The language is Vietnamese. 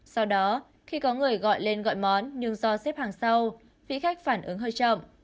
sau đó khi có người gọi lên gọi món nhưng do xếp hàng sau vị khách phản ứng hơi chậm